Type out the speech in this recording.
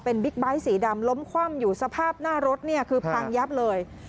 บิ๊กไบท์สีดำล้มคว่ำอยู่สภาพหน้ารถเนี่ยคือพังยับเลย